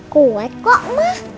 kuat kok ma